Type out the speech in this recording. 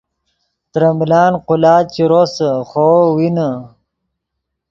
ترے ملان قولاچ چے روسے خوو وینے